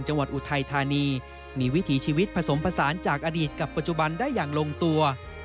อุทัยธานีมีวิถีชีวิตผสมผสานจากอดีตกับปัจจุบันได้อย่างลงตัว